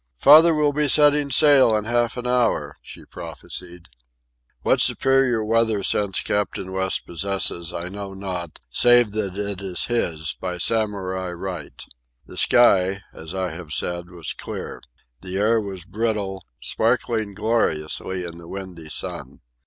"Father will be setting sail in half an hour," she prophesied. What superior weather sense Captain West possesses I know not, save that it is his by Samurai right. The sky, as I have said, was clear. The air was brittle—sparkling gloriously in the windy sun.